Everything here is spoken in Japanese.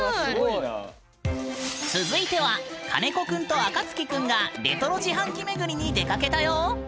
続いては金子君とあかつき君がレトロ自販機めぐりに出かけたよ！